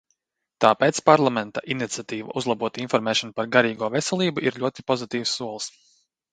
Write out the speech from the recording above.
Tāpēc Parlamenta iniciatīva uzlabot informēšanu par garīgo veselību ir ļoti pozitīvs solis.